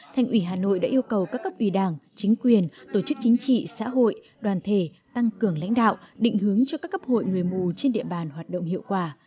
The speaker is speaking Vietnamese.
thành ủy hà nội đã yêu cầu các cấp ủy đảng chính quyền tổ chức chính trị xã hội đoàn thể tăng cường lãnh đạo định hướng cho các cấp hội người mù trên địa bàn hoạt động hiệu quả